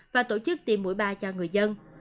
và tổ chức tiêm mũi ba cho người dân